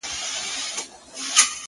خو اوس دي گراني دا درسونه سخت كړل!